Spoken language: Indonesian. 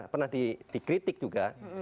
pernah dikritik juga